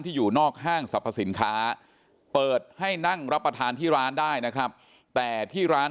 อยู่นอกห้างสรรพสินค้าเปิดให้นั่งรับประทานที่ร้านได้นะครับแต่ที่ร้าน